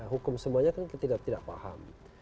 hukum semuanya kan kita tidak paham